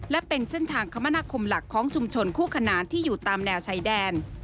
และเป็นเส้นทางคมนาคมหลักของชุมชนคู่ขนานที่อยู่ตามแนวชายแดน